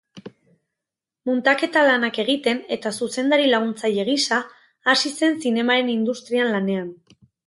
Muntaketa-lanak egiten eta zuzendari-laguntzaile gisa hasi zen zinemaren industrian lanean.